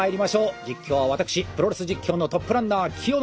実況は私プロレス実況のトップランナー清野茂樹です。